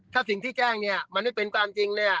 ถ้าสิ่งที่แจ้งมันไม่เป็นความจริง